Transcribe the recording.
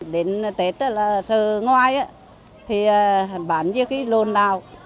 đến tết là sơ ngoài thì bán như cái lồn đào